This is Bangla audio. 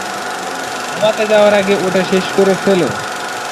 ঘুমাতে যাওয়ার আগে ওটা শেষ করে ফেলো।